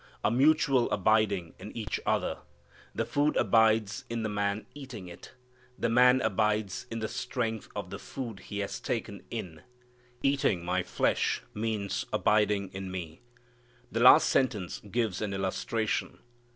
A mutual abiding in each other. The food abides in the man eating it. The man abides in the strength of the food He has taken in. Eating My flesh means abiding in Me. The last sentence gives an illustration.